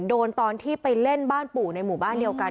ตอนที่ไปเล่นบ้านปู่ในหมู่บ้านเดียวกัน